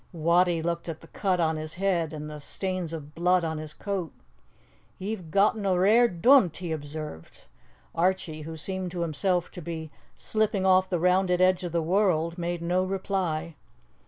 Wattie looked at the cut on his head and the stains of blood on his coat. "Ye've gotten a rare dunt," he observed. Archie, who seemed to himself to be slipping off the rounded edge of the world, made no reply.